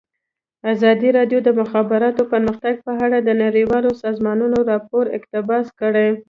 ازادي راډیو د د مخابراتو پرمختګ په اړه د نړیوالو سازمانونو راپورونه اقتباس کړي.